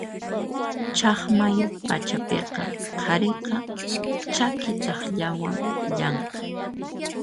Chaqmay pachapiqa qhariqa chaki takllawan llamk'an.